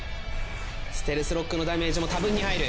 ステルスロックのダメージも多分に入る。